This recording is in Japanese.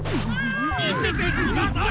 みせてください！